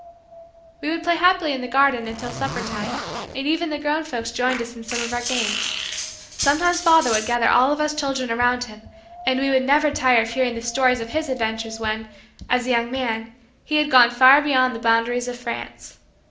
We would play happily in the garden until supper time and even the grown folks joined us in some of our games. Sometimes father would gather all of us children around him, and we would never tire of hearing the stories of his adventures when, as a young man, he had gone far beyond the boundaries of France.